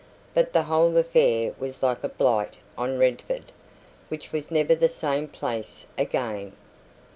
But the whole affair was like a blight on Redford, which was never the same place again.